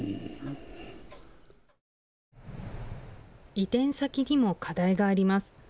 移転先にも課題があります。